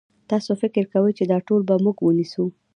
تاسو فکر کوئ چې دا ټول به موږ ونیسو؟